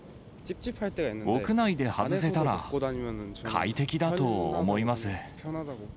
屋内で外せたら快適だと思います。